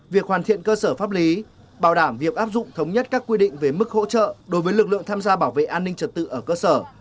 việc hoàn thiện cơ sở pháp lý bảo đảm việc áp dụng thống nhất các quy định về mức hỗ trợ đối với lực lượng tham gia bảo vệ an ninh trật tự ở cơ sở